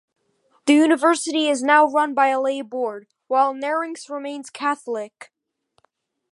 The University is now run by a lay board, while Nerinx remains Catholic.